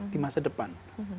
di masa depan